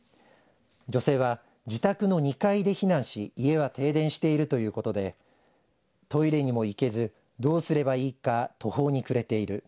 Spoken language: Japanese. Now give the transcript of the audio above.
女性は自宅の２階で避難し家は停電しているということでトイレにも行けずどうすればいいか途方に暮れている。